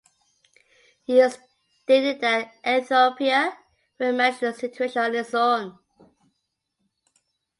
He stated that Ethiopia would manage the situation on its own.